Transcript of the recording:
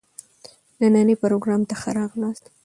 نني پروګرام ته ښه راغلاست.